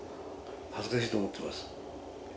恥ずかしいと思っています。